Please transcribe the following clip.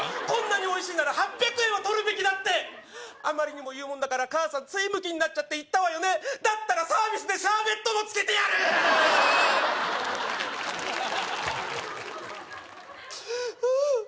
こんなにおいしいなら８００円はとるべきだってあまりにも言うもんだから母さんついムキになって言ったわよねだったらサービスでシャーベットもつけてやるううう